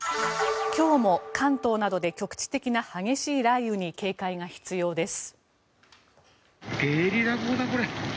今日も関東などで局地的な激しい雷雨に警戒が必要です。